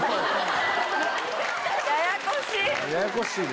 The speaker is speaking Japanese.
ややこしい。